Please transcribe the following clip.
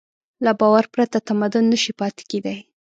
له باور پرته تمدن نهشي پاتې کېدی.